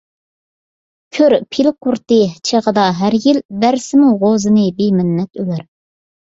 كۆر پىلە قۇرۇتى چېغىدا ھەر يىل، بەرسىمۇ غوزىنى بىمىننەت ئۆلەر.